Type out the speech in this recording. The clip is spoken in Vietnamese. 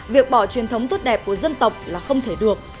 việc bỏ truyền thống tốt đẹp của dân tộc là không thể được